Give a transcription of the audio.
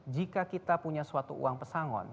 jika kita punya suatu uang pesangon